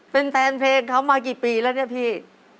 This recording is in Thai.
เป็นแฟนเพลงเขามากี่ปีแล้วเนี่ยพี่